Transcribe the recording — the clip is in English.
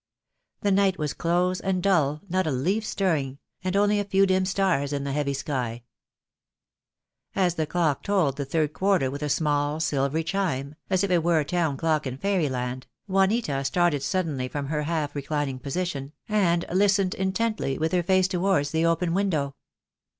The night was close and dull, not a leaf stirring, and only a few dim stars in the heavy sky. THE DAY WILT, COME. 53 As the clock told the third quarter with a small silvery chime, as if it were a town clock in fairyland, Juanita started suddenly from her half reclining position, and listened intently, with her face towards the open window.